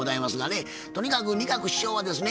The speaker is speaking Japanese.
とにかく仁鶴師匠はですね